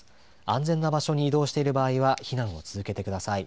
安全な場所に移動している場合は避難を続けてください。